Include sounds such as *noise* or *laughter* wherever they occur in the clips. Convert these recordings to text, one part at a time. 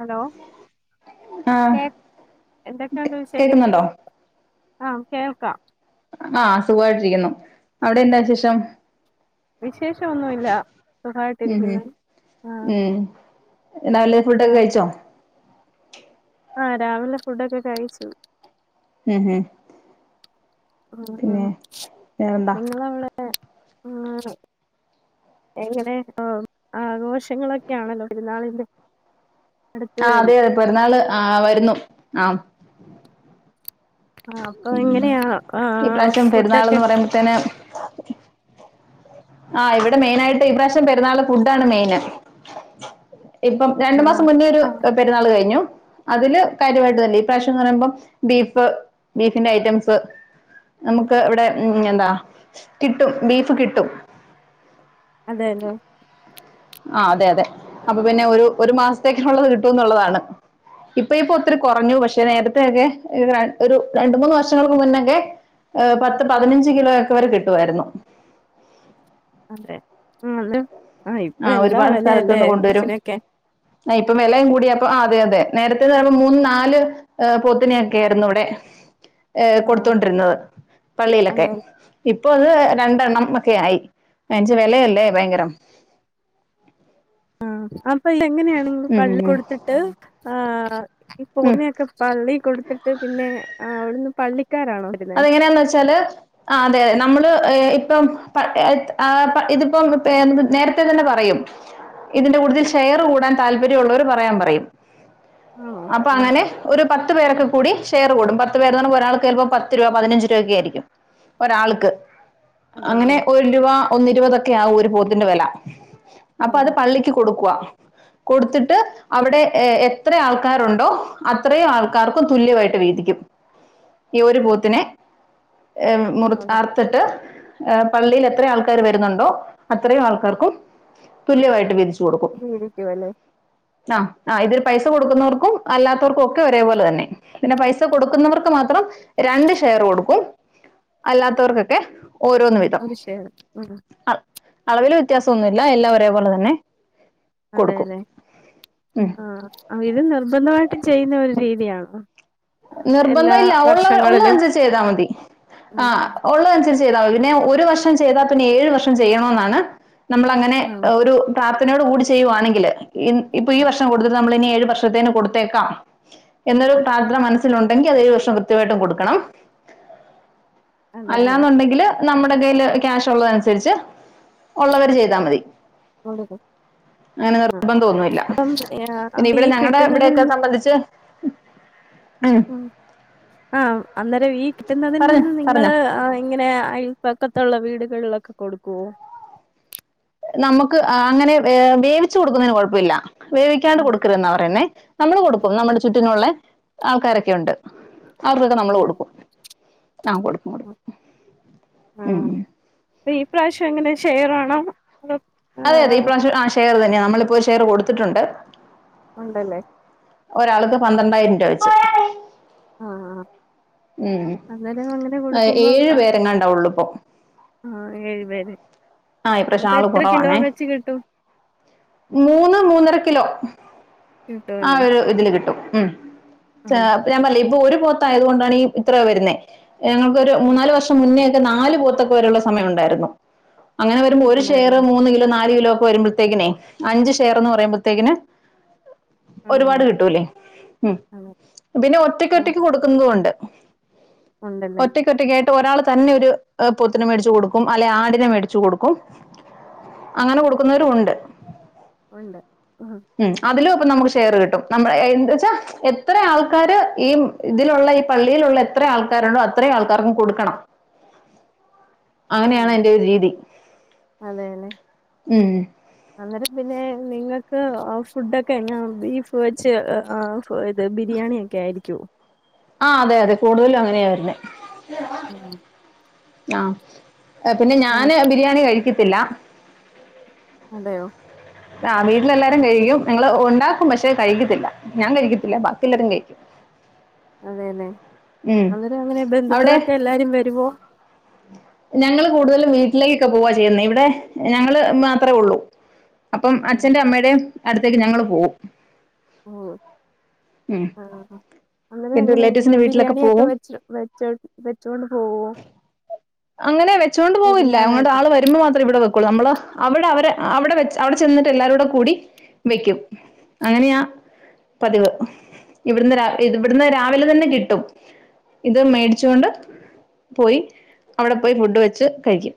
Hello ആഹ് കേ എന്തൊക്കെണ്ട് വിശേഷം? കേക്കുന്നുണ്ടോ ആഹ് കേൾക്കാം. ആഹ് സുഖായിട്ടിരിക്കുന്നു. അവിടെ എന്താ വിശേഷം? വിശേഷം ഒന്നുല്ല സുഖായിട്ടിരിക്കുന്നു ആഹ്. എന്നാല് ഫുഡൊക്കെ കഴിച്ചോ? ആഹ് രാവിലെ ഫുഡൊക്കെ കഴിച്ചു. *unintelligible* ഉം പിന്നെ വേറെന്താ നിങ്ങളവിടെ ഹാ എങ്ങനെ ആഹ് ആഘോഷങ്ങളൊക്കെ ആണല്ലോ പെരുന്നാളിൻ്റെ. ആഹ് അതെ പെരുന്നാള് ആ വരുന്നു ആഹ്. ആഹ് അപ്പൊ ഉം എങ്ങനെയാ ആ ഈ പ്രാവശ്യം പെരുന്നാൾന്ന് ഫുഡൊക്കെ? പറയുമ്പോത്തേന് ആഹ് ഇവിടെ മെയിനായിട്ട് ഇപ്രാവശ്യം പെരുന്നാള് ഫുഡാണ് മെയിന്. ഇപ്പം ആ രണ്ടു മാസം മുന്നേ ഒരു ആ പെരുന്നാള് കഴിഞ്ഞു. അതില് കാര്യമായിട്ടല്ല, ഈ പ്രാവശ്യം എന്ന്റയുമ്പം ബീഫ് ബീഫിന്റെ ഐറ്റംസ്. ഉം നമുക്ക് ഇവിടെ ഉം എന്താ കിട്ടും ബീഫ് കിട്ടും. അതെല്ലേ. ആഹ് അതെ അതെ. അപ്പൊ പിന്നെ ഒരു ഒരു മാസത്തേക്കൊള്ളത് കിട്ടുംന്നുള്ളതാണ്. ഇപ്പ ഇപ്പൊ ഒത്തിരി കൊറഞ്ഞു, പക്ഷെ നേരത്തെക്കെ ഒരു രണ്ട് മൂന്ന് വർഷങ്ങൾക്ക് മുന്നക്കെ ഏഹ് പത്ത് പതിനഞ്ച് കിലോയൊക്കെ വരെ കിട്ടുവാരുന്നു. അതെ ആന്ന് ആഹ് ഇപ്പെ ആ എന്താ ഒരുപാട് സ്ഥലത്ത് വെലയല്ലേ നിന്ന് കൊണ്ടുവരും ബിഫിനെക്കെ. ആ ഇപ്പേം വെലെയും കൂടിയപ്പ ആഹ് അതെ അതെ നേരത്തെന്ന് പറയുമ്പ മൂന്ന് നാല് ഏഹ് പൊത്തിനെയ്ക്കെ ആയിരുന്നവിടെ ഏഹ് ആ കൊടുത്തോണ്ടിരുന്നത് പള്ളിലൊക്കെ. അതെ അതെ ഇപ്പൊ അത് രണ്ടെണ്ണം ഒക്കെയായി അഞ് ച് വെലെയല്ലേ ഭയങ്കരം. *inaudible* ആഹ് അപ്പൊല്ലേ എങ്ങനെയാണെങ്കിൽ ഉം പള്ളി ഉം ഉം. കൊടുത്തട്ട് ആ ഈ ഉം പോരുന്നെയൊക്ക പള്ളി കൊടുത്തിട്ട് പിന്നെ അവിടുന്ന് പള്ളിക്കാരാണോ വരുന്നേ അതെങ്ങനെയാന്ന് വെച്ചാല് ആഹ് അതെ നമ്മള് ഏഹ് ഇപ്പം ഏ ആപ് ആ ഇതിപ്പോ നേരത്തെ തന്നെ പറയും. ഇതിന്റെ കൂട്ടത്തിൽ ഷെയറ് കൂടാൻ താൽപര്യള്ളോര് പറയാൻ പറയും. ആണോ അപ്പ ആഹ് അങ്ങനെ ഒരു പത്ത് പേരൊക്കെ കൂടി ഷെയർ കൂടും. പത്ത് പേര് എന്ന് പറയുമ്പ ഒരാൾക്ക്പ്പോ പത്ത് രൂപ പതിനഞ്ച് രൂപക്കെ ആയിരിക്കും ഒരാള്ക്ക് അങ്ങനെ അതെല്ലെ ഒ രൂവാ ഒന്നിരുപതൊക്കെയാവു ഒരു പോത്തിന്റെ വെല. അപ്പ അത് അതെ പള്ളിക്ക് കൊടുക്കുവ. കൊടുത്തിട്ട് അവിടെ ഏഹ് എത്ര ആൾക്കാരുണ്ടോ അത്രേം ആൾക്കാർക്കും തുല്യവായിട്ട് വീതിക്കും. ഈ ഒരു പോത്തിനെ ഏഹ് ആണോ മുറിച്ച് അതെ അറ ത്തിട്ട് ഏഹ് പള്ളിയിൽ എത്ര ആൾക്കാർ വരുന്നുണ്ടോ അത്രയും ആൾക്കാർക്കും തുല്യവായിട്ട് വിതിച്ചു കൊടുക്കും. ഇത് ഇരിക്കുവല്ലേ ആഹ് ആഹ് ഇതിൽ പൈസ കൊടുക്കുന്നോർക്കും അല്ലാത്തോർക്കും ഒക്കെ ഒരേപോലെ തന്നെ. പിന്നെ പൈസ കൊടുക്കുന്നവർക്ക് മാത്രം രണ്ട് ഷെര് കൊടുക്കും അല്ലാത്തോർക്കൊക്കെ ഓരോന്നും വേ ഒരു ഷേയർ ഉം അളവില് വെത്യാസൊന്നുല്ല ഏലാം ഓരേപോലെതന്നെ അതെല്ലെ ഉം ആഹ് ആ ഇത് നിർബന്ധവായിട്ടും ചെയ്യുന്നേരു രീതിയാണോ ആ, എല്ലാ നിർബന്ധം ഇല്ല ഒള്ള വർഷങ്ങളിലും ഒള്ളനുസരിച്ച് എയ്തിയാ മതി ഉം ആഹ് ഒള്ളെനുസരിച്ച് ചെയ്തമതി പിന്നെ ഒരു വർഷം ചെയ്താ പിന്നെ ഏഴു വർഷം ചെയ്യനൊന്നാണ് നമ്മളങ്ങനെ ആഹ് ഏഹ് ഒരു പ്രാർത്ഥനെയോട് കൂടി ചെയ്യുവാണെങ്കില് ഇൻ ഇപ്പോ ഈ വർഷം കൊടുത്തത് നമ്മളിനി ഏഴ് വർഷത്തേന് കൊടുത്ത് തെക്കാം എന്നൊരു പ്രാർത്ഥന മനസ്സി തിലോണ്ടെങ്കില തേ വർഷം കൃത്യവായിട്ടും കൊടുക്കണം അതെല്ലെ അല്ലാന്നുണ്ടെങ്കിൽ നമ്മടെ കയ്ല് ക്യാഷോള്ളതന്സരിച്ച് ഒള്ളവര് ചെയ്താ മതി കൊടുക്കും അങ്ങനെ ആഹ് നിർബന്തോന്നുല്ല അപ്പം ആ, പിന്നെ അപ്പൊ ഇവടെ ഈ കിട്ടുന്നതിൽ ഞങ്ങടെവിടെക്കെ നിന്ന് സംബന്ധിച്ച് ഉം ആഹ് അന്നേരം ഈ കിട്ടുന്നതിൽ പറഞ്ഞോ നിന്ന് പറഞ്ഞോ നിങ്ങള് അഹ്‌ ഇങ്ങനെ പക്കത്തോള്ള വീടുകളിലൊക്കെ കൊടുക്കുവോ നമുക്ക് അങ്ങനെ ഹേ വേവിച്ച് കൊടുക്കുന്നേന് കൊഴപ്പില്ല വേവിക്കാണ്ട് ഉം കൊടുക്കരുതേന്നാ പറയുന്നെ നമ്മള് ഉം കൊടുക്കും നമ്മടെ ചുറ്റിനൊള്ളെ ആൾക്കാരൊക്കെണ്ട് അവർക്ക് നമ്മൾ കൊടുക്കും ന്നാ കൊടു ഉം ആ പ്പ ഈപ്രാവശ്യങ്ങേനെ ഷെയറാണോ അതോ അതെ അതെ ആഹ് ഇപ്രാവശ ആ ഷെയർ തന്നെയാ മ്മളിപ്പോ ഒരു ഷെയർ കൊടുത്തിട്ടോണ്ട് ഉണ്ടല്ലേ ഒരാൾക്ക് പന്ത്രണ്ടായിരം രൂപ വെച്ച് ആഹ് ഉം അന്നേരം അങ്ങനെ ഹേ കൊടുക്കുമ്പം ഏഴു പേരെങ്ങാണ്ടാവള്ളൂ ഇപ്പൊ ആഹ ഏഴ് പേര് ആഹ ഈ പ്രശ്യം അപ്പൊ ആള് എത്ര കിലോ കുറവാണേ വെച്ച് കിട്ടും? മൂന്ന് മൂന്നര കിലോ ആ കിട്ടുവല്ലേ ഒരു ഇതില് കിട്ടും ഉം ച്ചാ ആഹ് ഞാൻ പറയ ഇപ്പൊ ഒരു പോത്ത ആയത് കൊണ്ടാണ് ഇത്ര വരുന്നത് ഞങ്ങൾക്ക് ഒരു മൂന്നാല് വർഷം മുന്നേൊക്കെ നാല് പോത്തൊക്കെരെയുള്ള സമയം ഉണ്ടായിരുന്നു അങ്ങനെ വരുമ്പോൾ ഒരു ഷെയർ ഉണ്ടായിരുന്നു മൂന്ന് കിലോ നാല് കിലോ ഒക്കെ വരുമ്പോഴത്തേക്കിനേ അഞ്ച് ഷെയർ എന്ന് പറയുമ്പോഴത്തേക്കന് ആഹ് ഒരുപാട് അതെ കിട്ടൂല്ലേ ഉം അതെ പിന്നെ ഒറ്റക്ക് ഉം, ഒറ്റക്ക് കൊടുക്കുന്നതും ഉണ്ട് ഉണ്ടല്ലേ ഒറ്റക്കായിട്ട് ഒരാൾ തന്നെ ഒരു പോത്തിന് മേടിച്ച് കൊടുക്കും അല്ലെ ആടിനെ മേടി ച്ചു കൊടുക്കും അങ്ങനെ കൊടുക്കുന്നവരും ഉണ്ട് ഉണ്ട് ആഹ ഉം അതിലും ഇപ്പൊ നമുക്ക് ഷെയർ കിട്ടും നമ്മ എന്ത വച്ചാ എത്ര ആൾക്കാര് ഈ ഇതിലുള്ള ഈ പള്ളിയിലുള്ള എത്ര ആൾക്കാരുണ്ടോ അത്രയും ആൾക്കാർക്കും കൊടുക്കണം അങ്ങനെയാണ് അയിന്റെ ഒരു രീതി അതെലെ ഉം അന്നേരം പിന്നെ നിങ്ങൾക്ക് ഫുഡൊക്കെ എങ്ങനാ ബീഫ് വെച്ച് ആ പെ ഇത് ബിരിയാണിയ ഒക്കെ ആയിരിക്കോ ആ അതെ അതെ കൂടുതലും അങ്ങനെയാവരുന്നേ ഉം ആഹ പിന്നെ ആഹ് ഞാന് ബിരിയാണി കഴിക്കത്തില്ല അതെയോ ആ ഉം വീട്ടിലെല്ലാരും കഴിക്കും ഞങ്ങള് ഒണ്ടാക്കും പക്ഷെ കഴിക്കത്തില്ല ഞാൻ കഴിക്കത്തില്ല ബാക്കി എല്ലാരും കഴിക്കും അതെ ല്ലെ ഉം അന്നേരം എങ്ങനെ അവിടെ ബന്ധുക്കളൊക്കെ എല്ലാരും വെരുവോ ഞങ്ങള് കൂട്തലും വീട്ടിലേക്കൊക്കെ പോവാ ചെയ്യുന്നേ ഇവിടെ ഞങ്ങള് മാത്രൊള്ളു അപ്പം ഉം അച്ഛന്റെ അമ്മടേം അട്ത്തേക്ക് ഞങ്ങള് പോം പോം ആ അങ്ങനെ പിന്നെ എങ്ങനെ റിലേറ്റീവ്സിന്റെ നിങ്ങള് വീട്ടിലൊക്കെ ബിരിയാണിയൊക്കെ പോകും വെച്ച് വെ ച്ച് വെച്ചോണ്ട് പോ അങ്ങനെ വെച്ചോണ്ട് പോവില്ല അങ്ങോട്ട് പെരുന്നാളായിട്ട് ആള് വ രുമ്പ മാത്രേ ഇവടെ വെക്കൊള്ളു നമ്മള് അവടെ അവരെ അവടെ അവടെ ചെന്ന്ട്ട് എല്ലാരും കൂടെ കൂടി വെയ്ക്കും അങ്ങനെയാ പതിവ് ഇവിട്ന്ന് രാ ഇവിട്ന്ന് രാവിലെ തന്നെ കിട്ടും ഇത് മേടിച്ചോണ്ട് പോയി അവടെ പോയി ഫുഡ് വെച്ച് കഴിക്കും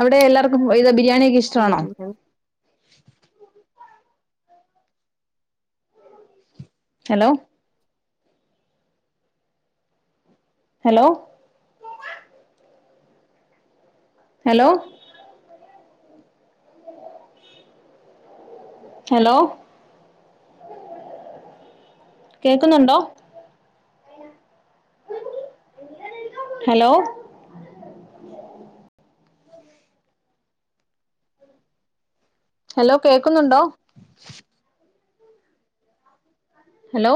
അവടെ എല്ലാർക്കും ഇതാ ബിരിയാണിയൊക്കെ ഇഷ്‌ ആഹഹ ഹലോ ഹലോ ഹലോ ഹലോ കേക്ക്ന്നുണ്ടോ ഹലോ ഹലോ കേക്ക്ന്നുണ്ടോ ഹലോ